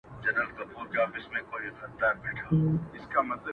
پر دې دُنیا سوځم پر هغه دُنیا هم سوځمه؛